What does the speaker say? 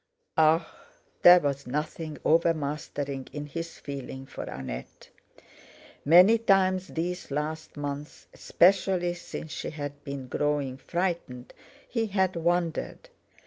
Ah! there was nothing overmastering in his feeling for Annette! Many times these last months, especially since she had been growing frightened, he had wondered.